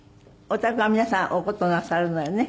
おたくは皆さんお箏なさるのよね。